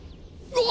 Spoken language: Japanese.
うわ！